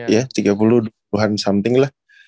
ya tiga puluh an something lah